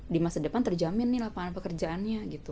di masa depan terjamin nih lapangan pekerjaannya gitu